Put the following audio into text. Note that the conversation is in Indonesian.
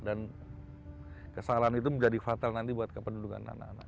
dan kesalahan itu menjadi fatal nanti buat kependudukan anak anak